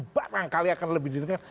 barangkali akan lebih diinginkan